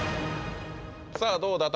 さあどうだ？